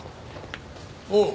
おう。